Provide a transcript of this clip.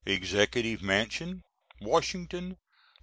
EXECUTIVE MANSION Washington, Nov.